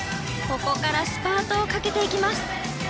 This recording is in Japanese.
ここからスパートをかけていきます。